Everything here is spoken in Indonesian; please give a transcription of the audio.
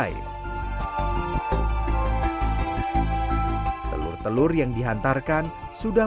cerita dari hujan